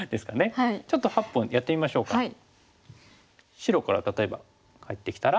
白から例えば入ってきたら？